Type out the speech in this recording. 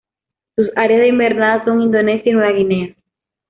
Sus áreas de invernada son Indonesia y Nueva Guinea.